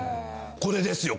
これですよ。